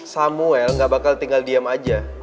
samuel gak bakal tinggal diem aja